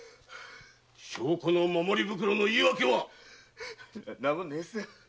証拠の守り袋の言い訳は何もねぇす。